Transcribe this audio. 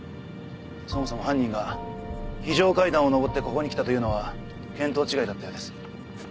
そもそも犯人が非常階段を上ってここに来たというのは見当違いだったようです。